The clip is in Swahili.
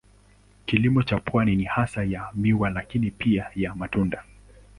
Kilimo cha pwani ni hasa ya miwa lakini pia ya matunda.